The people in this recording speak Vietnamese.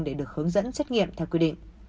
để được hướng dẫn xét nghiệm theo quy định